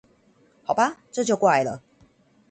好吧，這就怪了